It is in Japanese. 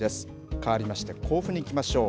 変わりまして甲府にいきましょう。